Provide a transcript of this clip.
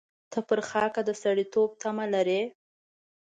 ته پر خاکه د سړېتوب تمه لرې.